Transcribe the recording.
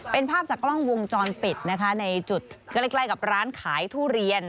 เป็นภาพจากกล้องวงจรปิดนะคะในจุดใกล้กับร้านขายทุเรียน